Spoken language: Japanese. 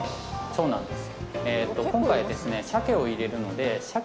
そうなんです。